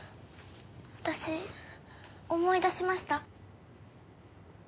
私思い出しました。